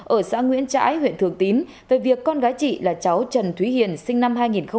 ở xã nguyễn trãi huyện thường tín về việc con gái chị là cháu trần thúy hiền sinh năm hai nghìn một mươi